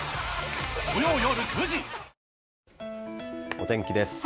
お天気です。